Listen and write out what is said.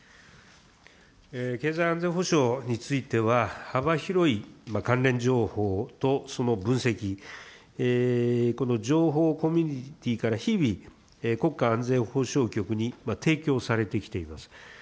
経済安全保障については、幅広い関連情報とその分析、この情報コミュニティから日々、国家安全保障局に提供されてきています。